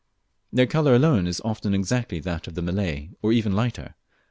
Their colour alone is often exactly that of the Malay, or even lighter.